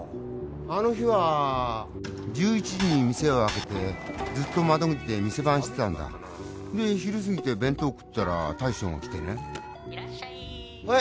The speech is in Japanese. あの日は１１時に店を開けてずっと窓口で店番してたんだで昼過ぎて弁当食ってたら大将が来てねいらっしゃい